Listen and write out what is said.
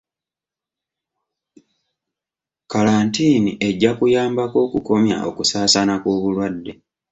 Kalantiini ejja kuyambako okukomya okusaasaana kw'obulwadde.